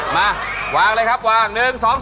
มาวางเลยครับวาง๑๒๒